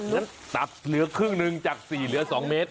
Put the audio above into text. นะตัดเหลือครึ่งนึงจากสี่เหลือสองเมตร